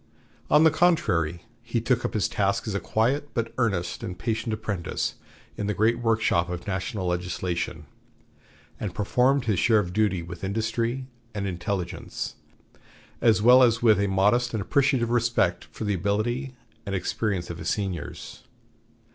On the contrary, he took up his task as a quiet but earnest and patient apprentice in the great workshop of national legislation, and performed his share of duty with industry and intelligence, as well as with a modest and appreciative respect for the ability and experience of his seniors.